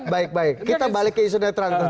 baik baik kita balik ke isu netral